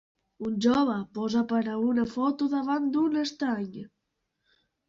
Un jove posa per a una foto davant d'un estany.